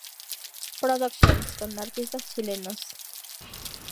Productions", con artistas chilenos.